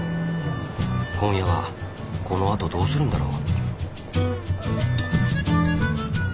今夜はこのあとどうするんだろう？